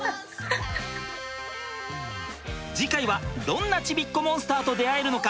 次回はどんなちびっこモンスターと出会えるのか？